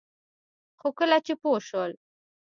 خو کله چې پوه شول